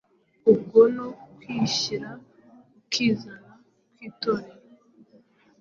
ahubwo no kwishyira ukizana kw’Itorero.